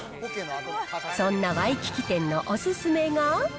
そんなワイキキ店のお勧めが。